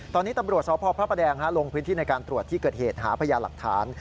ตอนนี้ตำรวจสพพระประแดงลงพื้นที่ในการตรวจที่เกิดเหตุหาพยานหลักฐาน